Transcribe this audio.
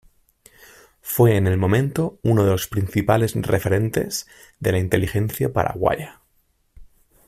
Fue en el momento uno de los principales referentes de la inteligencia paraguaya.